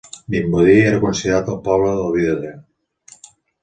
Vimbodí era considerat el poble del vidre.